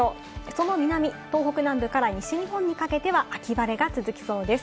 その南、東北南部から西日本にかけては秋晴れが続きそうです。